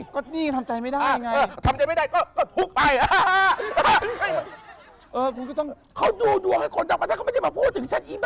เขาไม่ได้มาพูดถึงฉันอีบ้า